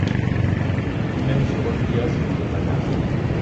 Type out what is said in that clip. Lui-même se replia sur le Banat.